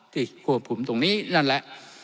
ควบคุมตรงนี้นั่นแหละ